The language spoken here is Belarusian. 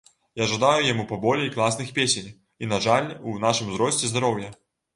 Я жадаю яму паболей класных песень, і на жаль, у нашым узросце, здароўя.